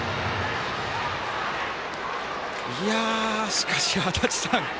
しかし、足達さん。